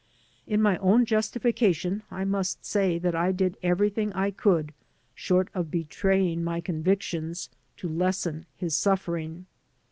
In my own justification I must say that I did every thing I could, short of betraying my convictions, to lessen his suffering.